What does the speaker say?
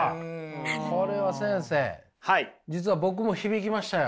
これは先生実は僕も響きましたよ。